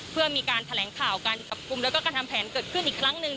เพื่อมีการแถลงข่าวการจับกลุ่มแล้วก็การทำแผนเกิดขึ้นอีกครั้งหนึ่ง